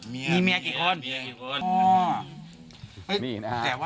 มีเมียกี่คน